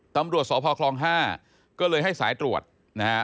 ตำรวจสพคลอง๕ก็เลยให้สายตรวจนะฮะ